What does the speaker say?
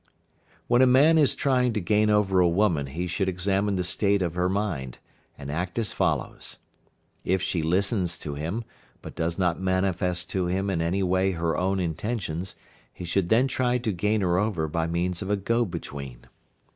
When a man is trying to gain over a woman he should examine the state of her mind, and acts as follows. If she listens to him, but does not manifest to him in any way her own intentions, he should then try to gain her over by means of a go between.